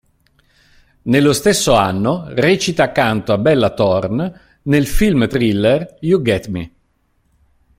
Nello stesso anno recita accanto a Bella Thorne nel film thriller, "You Get Me".